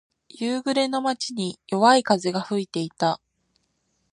夕暮れの街に、弱い風が吹いていた。